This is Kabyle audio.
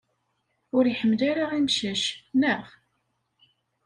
Ur iḥemmel ara imcac, naɣ?